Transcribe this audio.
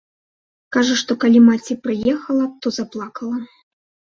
Кажа, што калі маці прыехала, то заплакала.